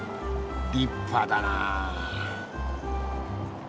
立派だなあ。